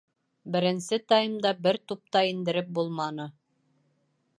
Беренсе таймда бер туп та индереп булманы.